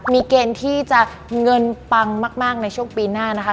มีเกณฑ์ที่จะเงินปังมากในช่วงปีหน้านะคะ